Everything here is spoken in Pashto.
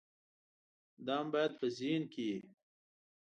دا مو باید په ذهن کې وي.